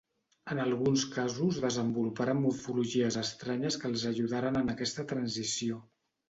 En alguns casos desenvoluparen morfologies estranyes que els ajudaren en aquesta transició.